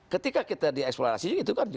ketika kita dieksplorasi gitu kan